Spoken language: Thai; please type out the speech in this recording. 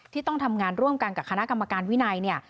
ที่ต้องทำงานร่วมกันกับคณะกรรมการวินัยเนี่ย